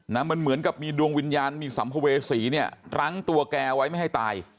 มันเหมือนกับมีดวงวิญญาณมีสัมภเวษีเนี่ยรั้งตัวแกไว้ไม่ให้ตาย